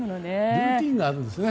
ルーティンがあるんですよね。